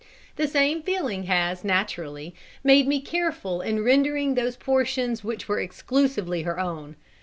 The same feeling has, naturally, made me careful in rendering those portions which were exclusively her own.